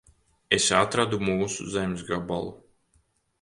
Es atradu mūsu zemes gabalu.